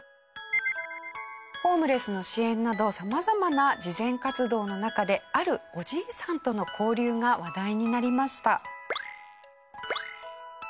ホームレスの支援など様々な慈善活動の中であるおじいさんとの交流が話題になりました。